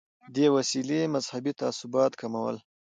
دې وسیلې مذهبي تعصبات کمول.